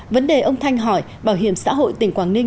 vấn đề ông thanh hỏi bảo hiểm xã hội tỉnh quảng ninh